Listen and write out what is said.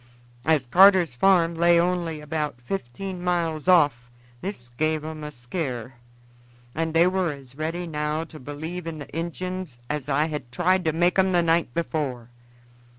As Carter's farm lay only about fifteen miles off this gave 'em a skear, and they were as ready now to believe in the Injuns as I had tried to make 'em the night before.